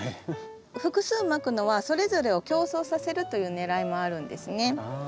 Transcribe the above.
複数まくのはそれぞれを競争させるというねらいもあるんですね。